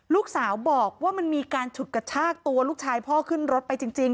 ลูกสาวบอกว่ามันมีการฉุดกระชากตัวลูกชายพ่อขึ้นรถไปจริง